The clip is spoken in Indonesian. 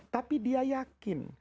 tapi dia yakin